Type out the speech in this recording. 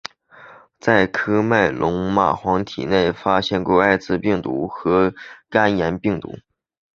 在喀麦隆的蚂蟥体内发现过艾滋病毒和肝炎病毒。